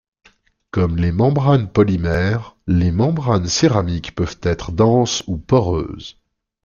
Comme les membranes polymères, les membranes céramiques peuvent être denses ou poreuses.